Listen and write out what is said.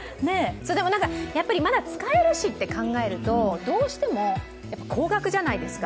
まだ使えるしって考えると、どうしても高額じゃないですか。